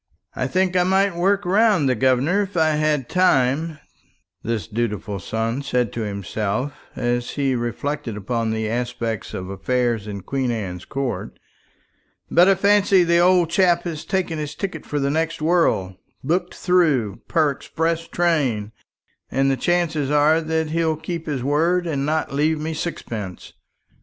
"I think I might work round the governor if I had time," this dutiful son said to himself, as he reflected upon the aspect of affairs in Queen Anne's Court; "but I fancy the old chap has taken his ticket for the next world booked through per express train, and the chances are that he'll keep his word and not leave me sixpence.